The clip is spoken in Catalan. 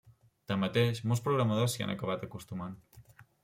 Tanmateix, molts programadors s'hi han acabat acostumant.